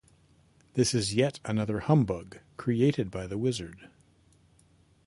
This is yet another "humbug" created by the Wizard.